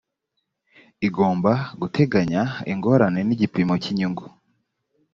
igomba guteganya ingorane n’igipimo cy’inyungu